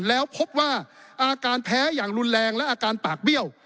แล้วพบว่าอาการแพ้อย่างรุนแรงและอาการปากเบี้ยว